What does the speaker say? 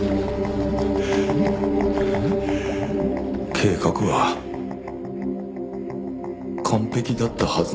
計画は完璧だったはずなのに。